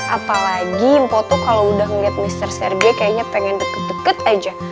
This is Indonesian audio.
apalagi po tuh kalo udah ngeliat mr serege kayaknya pengen deket deket aja